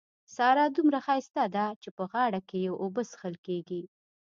سارا دومره ښايسته ده چې په غاړه کې يې اوبه څښل کېږي.